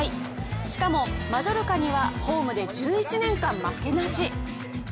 しかもマジョルカにはホームで１１年間負けなし。